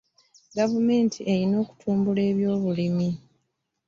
Gavumenti erina okutumbula ebyobulimi.